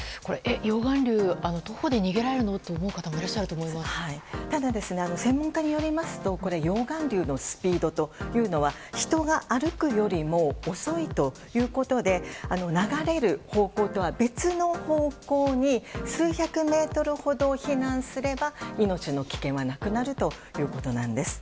溶岩流、徒歩で逃げられるのと思うからもただ、専門家によりますと溶岩流のスピードというのは人が歩くよりも遅いということで流れる方向とは別の方向に数百メートルほど避難すれば命の危険はなくなるということです。